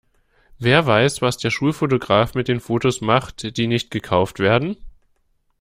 Wer weiß, was der Schulfotograf mit den Fotos macht, die nicht gekauft werden?